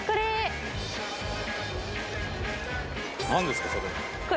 何ですかそれ？